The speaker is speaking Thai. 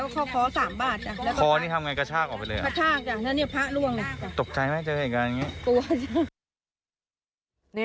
ตกใจไหมเจออีกอันอย่างนี้